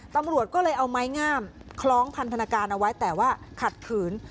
ตำรวจก็เลยเอาไม้งามคล้องพันธนาการเอาไว้แต่ว่าขัดขืน